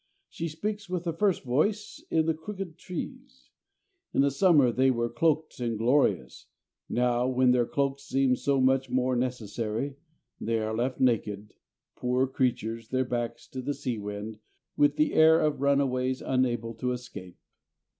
She speaks with the first voice in the crooked trees. In the summer they were cloaked and glorious. Now, when their cloaks seem so much more necessary, they are left naked, poor creatures, their backs to the sea wind, with the air of runaways unable to escape.